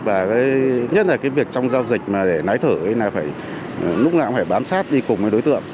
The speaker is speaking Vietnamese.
và nhất là cái việc trong giao dịch mà để nái thử là phải lúc nào cũng phải bám sát đi cùng với đối tượng